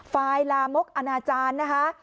ไฟล์ลามกกอาณาจาลนะคะ